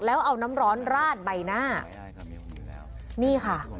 แล้วเอาน้ำร้อนราดใบหน้านี่ค่ะ